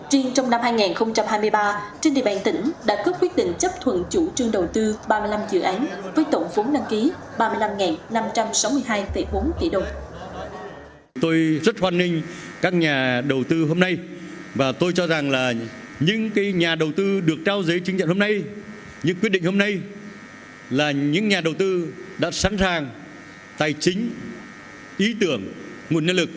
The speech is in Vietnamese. riêng trong năm hai nghìn hai mươi ba trên địa bàn tỉnh đã cấp quyết định chấp thuận chủ trương đầu tư ba mươi năm dự án với tổng vốn đăng ký ba mươi năm năm trăm sáu mươi hai bốn tỷ đồng